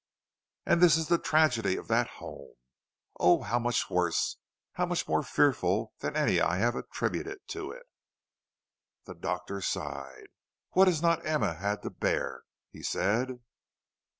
"And this is the tragedy of that home! Oh, how much worse, how much more fearful than any I have attributed to it!" The Doctor sighed. "What has not Emma had to bear," he said.